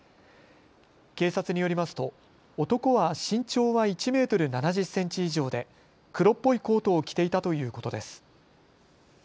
警察によりますと男は身長１メートル７０センチ以上で黒っぽいコートを着ていたということです。